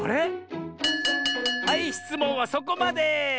はいしつもんはそこまで！